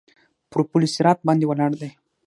پر پل صراط باندې ولاړ دی.